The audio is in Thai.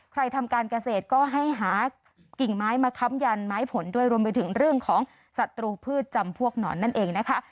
ทำการเกษตรก็ให้หากิ่งไม้มาค้ำยันไม้ผลด้วยรวมไปถึงเรื่องของศัตรูพืชจำพวกหนอนนั่นเองนะคะ